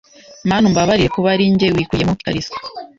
mana umbabarire kuba arijye wikuriyemo ikariso.